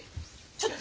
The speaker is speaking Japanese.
ちょっと！